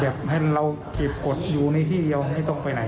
ให้เราเก็บกฎอยู่ในที่เดียวไม่ต้องไปไหน